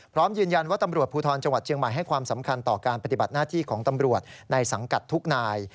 พร้อมยืนยันว่าตำรวจภูทรจังหวัดเชียงใหม่ให้ความสำคัญต่อการปฏิบัติหน้าที่ของตำรวจในสังกัดทุกนาย